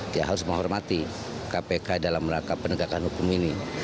kita harus menghormati kpk dalam melangkah penegakan hukum ini